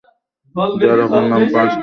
যার অপর নাম পার্স টুডে।